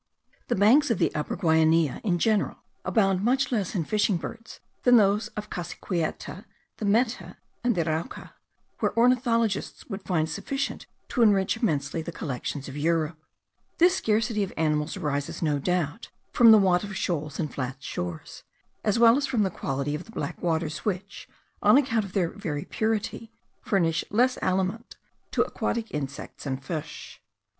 The banks of the Upper Guainia in general abound much less in fishing birds than those of Cassiquiare, the Meta, and the Arauca, where ornithologists would find sufficient to enrich immensely the collections of Europe. This scarcity of animals arises, no doubt, from the want of shoals and flat shores, as well as from the quality of the black waters, which (on account of their very purity) furnish less aliment to aquatic insects and fish.